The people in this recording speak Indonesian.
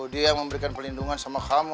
dia memberikan pelindungan sama kamu